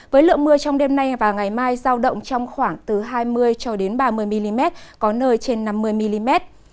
với lượng mưa trong đêm nay và ngày mai giao động trong khoảng từ hai mươi cho đến ba mươi mm có nơi trên năm mươi mm